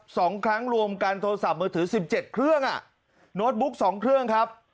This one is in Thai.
สองครั้งรวมกันโทรศัพท์มือถือสิบเจ็ดเครื่องอ่ะโน้ตบุ๊กสองเครื่องครับ